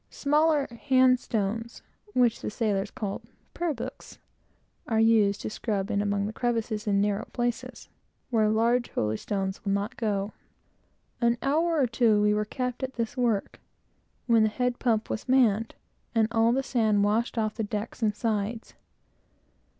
Smaller hand stones, which the sailors call "prayer books," are used to scrub in among the crevices and narrow places, where the large holystone will not go. An hour or two, we were kept at this work, when the head pump was manned, and all the sand washed off the decks and sides.